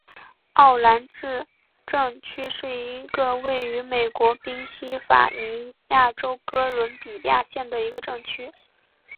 奥兰治镇区是一个位于美国宾夕法尼亚州哥伦比亚县的一个镇区。